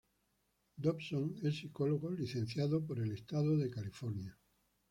Dobson es psicólogo licenciado del Estado de California.